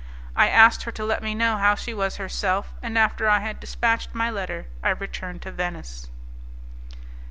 I asked her to let me know how she was herself, and after I had dispatched my letter I returned to Venice.